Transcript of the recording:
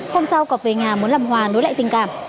hôm sau cọp về nhà muốn làm hòa nối lại tình cảm